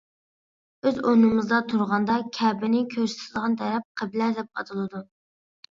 ئۆز ئورنىمىزدا تۇرغاندا كەبىنى كۆرسىتىدىغان تەرەپ «قىبلە» دەپ ئاتىلىدۇ.